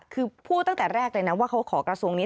คือพูดตั้งแต่แรกเลยนะว่าเขาขอกระทรวงนี้